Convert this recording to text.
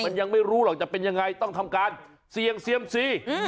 มันยังไม่รู้หรอกจะเป็นยังไงต้องทำการเสี่ยงเซียมซี